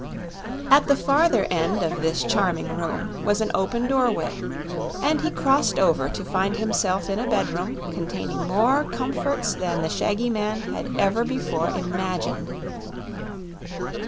At the farther end of this charming room was an open doorway, and he crossed over to find himself in a bedroom containing more comforts than the shaggy man had ever before imagined.